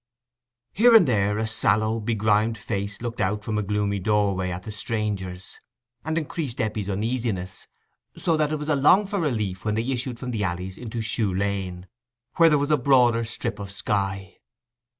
Here and there a sallow, begrimed face looked out from a gloomy doorway at the strangers, and increased Eppie's uneasiness, so that it was a longed for relief when they issued from the alleys into Shoe Lane, where there was a broader strip of sky.